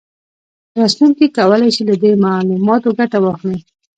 لوستونکي کولای شي له دې معلوماتو ګټه واخلي